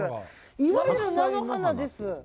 いわゆる菜の花です。